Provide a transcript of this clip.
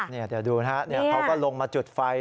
เดี๋ยวดูนะฮะเขาก็ลงมาจุดไฟ